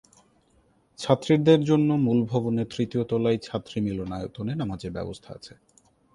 ছাত্রীদের জন্য মূল ভবনের তৃতীয় তলায় ছাত্রী মিলনায়তনে নামাজের ব্যবস্থা আছে।